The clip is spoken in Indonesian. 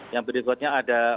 yang berikutnya ada